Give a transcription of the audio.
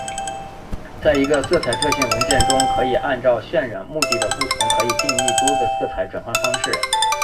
在一个色彩特性文件中可以按照渲染目的的不同来可以定义多个色彩转换方式。